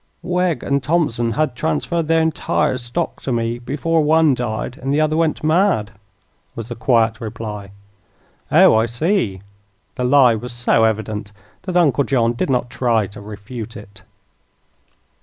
"Wegg and Thompson had transferred their entire stock to me before one died and the other went mad," was the quiet reply. "Oh, I see." The lie was so evident that Uncle John did not try to refute it.